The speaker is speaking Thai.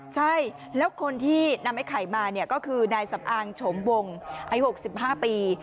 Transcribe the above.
ใช่แล้วคนที่นำไอ้ไข่มาเนี่ยก็คือนายสำอางโฉมวงอายุ๖๕ปี